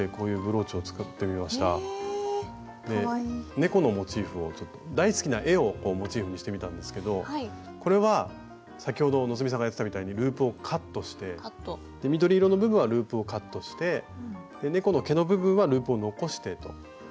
猫のモチーフを大好きな絵をモチーフにしてみたんですけどこれは先ほど希さんがやってたみたいにループをカットして緑色の部分はループをカットして猫の毛の部分はループを残してと。